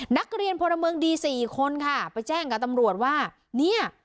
นักเรียนพลเมืองดีสี่คนค่ะไปแจ้งกับตำรวจว่าเนี่ย